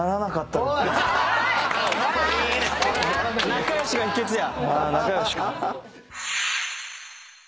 ・仲良しが秘訣や。